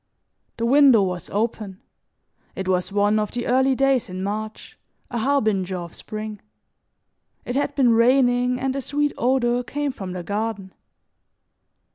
The window was open; it was one of the early days in March, a harbinger of spring. It had been raining and a sweet odor came from the garden.